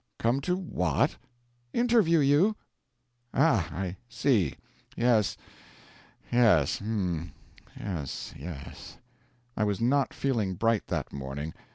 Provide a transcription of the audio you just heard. "Come to what?" "Interview you." "Ah! I see. Yes yes. Um! Yes yes." I was not feeling bright that morning.